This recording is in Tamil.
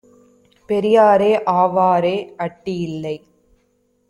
பெரியாரே, ஆவ்வாறே! அட்டி யில்லை.